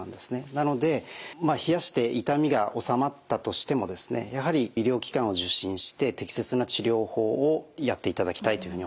なので冷やして痛みが治まったとしてもですねやはり医療機関を受診して適切な治療法をやっていただきたいというふうに思います。